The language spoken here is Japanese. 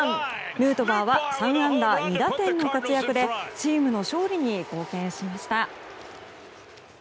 ヌートバーは３安打２打点の活躍でチームの勝利に貢献しました。